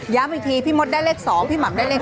อีกทีพี่มดได้เลข๒พี่หม่ำได้เลข๒